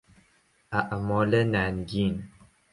اعمال ننگین